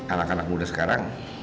anak anak muda sekarang